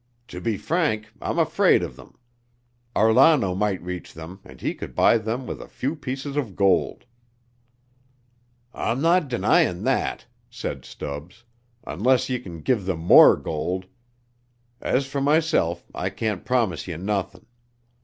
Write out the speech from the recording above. To be frank, I'm afraid of them. Arlano might reach them and he could buy them with a few pieces of gold." "I'm not denying that," said Stubbs, "unless ye can give them more gold. As fer myself, I can't promise ye nothin'.